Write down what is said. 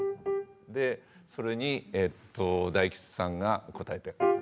それに大吉さんが応える。